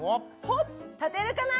立てるかな？